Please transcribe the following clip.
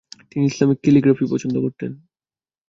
তিনি Islamic calligraphy পছন্দ করতেন।